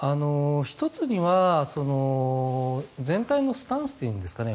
１つには全体のスタンスというんですかね